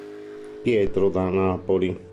Pietro da Napoli